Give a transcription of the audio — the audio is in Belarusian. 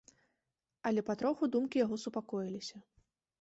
Але патроху думкі яго супакоіліся.